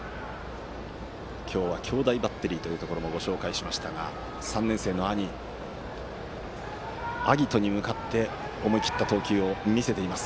今日は鳥栖工業の兄弟バッテリーというところも紹介しましたが３年生の兄・晶音に向かって思い切った投球を見せています。